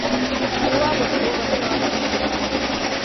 Йыуабыҙ был ваҡиғаны!